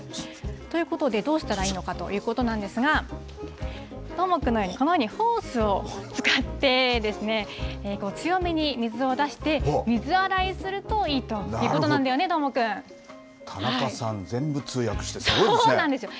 ということで、どうしたらいいのかということなんですが、どーもくんのように、このようにホースを使ってですね、強めに水を出して、水洗いするといいということ田中さん、全部通訳してすごそうなんですよ。